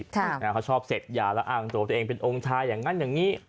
เขาชอบเสพยาแล้วอ้างตัวตัวเองเป็นองค์ชายอย่างนั้นอย่างนี้